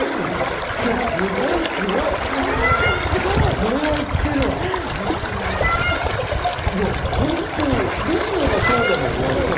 これは本当にリズムがそうだもんね。